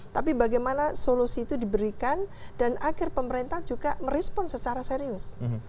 tapi bagaimana solusi itu diberikan dan akhir pemerintah juga merespon secara serius